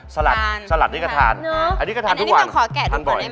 สลัดสลัดนี่ก็ทานอันนี้ก็ทานทุกวัน